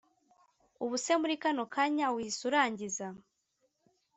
Ubuse muri kano kanya uhise urangiza